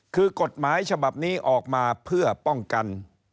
คือกฎหมายฉบับนี้ออกมาเพื่อป้องกัน